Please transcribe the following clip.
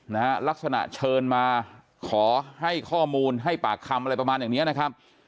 ลักษณะเชิญมาขอให้ข้อมูลให้ปากคำอะไรประมาณอย่างเนี้ยนะครับ